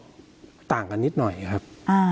ก็ต่างกันนิดหน่อยครับ